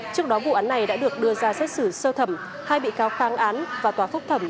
trước đó vụ án này đã được đưa ra xét xử sơ thẩm hai bị cáo kháng án và tòa phúc thẩm